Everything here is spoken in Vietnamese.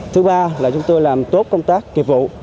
thứ ba là chúng tôi làm tốt công tác kiệp vụ